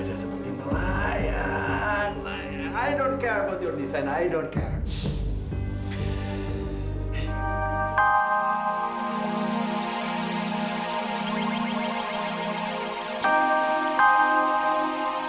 saya seperti melayang melayang